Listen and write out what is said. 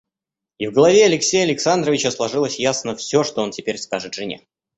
И в голове Алексея Александровича сложилось ясно всё, что он теперь скажет жене.